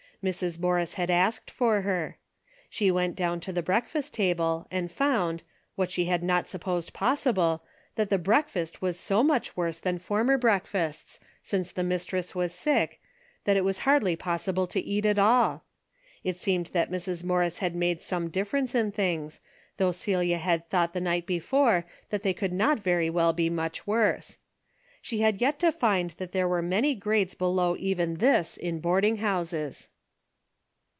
Mrs. Morris had asked for her. She went down to the breakfast table and found, what she had not supposed possible, that the breakfast was so much worse than former breakfasts, since the mistress was sick, that it was hardly possible to eat at all. It seemed that Mrs. Morris had made some differ ence in things, though Celia had thought the A DAILY RATE,^' 37 night before that they could not very well be much worse. She had yet to find that there were many grades below even this in boarding houses.